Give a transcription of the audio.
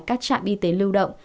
các trạm y tế lưu động